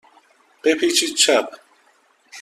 بپیچید چپ.